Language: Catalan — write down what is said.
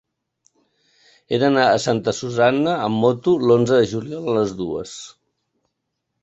He d'anar a Santa Susanna amb moto l'onze de juliol a les dues.